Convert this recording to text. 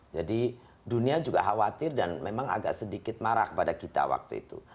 jadi dunia juga khawatir dan memang agak sedikit marah kepada kita waktu itu